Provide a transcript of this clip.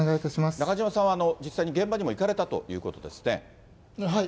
中島さんは実際に現場にも行かれたということですね。